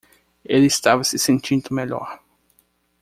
Ele estava se sentindo melhor